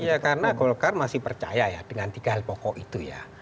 iya karena golkar masih percaya ya dengan tiga hal pokok itu ya